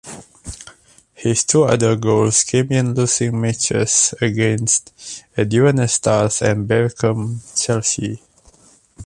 His two other goals came in losing matches against Aduana Stars and Berekum Chelsea.